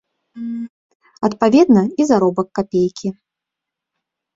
Адпаведна, і заробак капейкі.